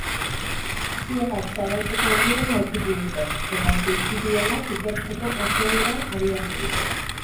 Ziegak zabaltzeko orduan aurkitu dute, eta suizidioak ikertzeko prozedura abiatu dute.